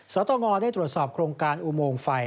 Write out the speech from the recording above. สตงได้ตรวจสอบโครงการอุโมงไฟ